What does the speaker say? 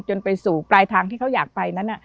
จนไปสู่ปลายทางที่เขาอยากไปนั้น